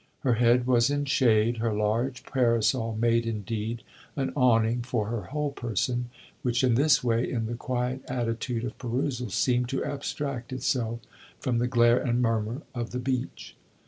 Her head was in shade; her large parasol made, indeed, an awning for her whole person, which in this way, in the quiet attitude of perusal, seemed to abstract itself from the glare and murmur of the beach.